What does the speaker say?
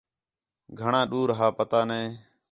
گھݨاں ݙَر ہا پتہ نَے